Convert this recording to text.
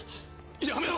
・やめろ！